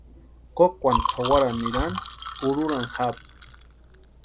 Kokwantkʼu jawarani nirani urhurani japu.